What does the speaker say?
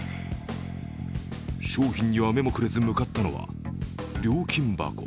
商品には目もくれず向かったのは料金箱。